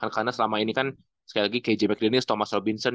karena selama ini kan sekali lagi kjp klinis thomas robinson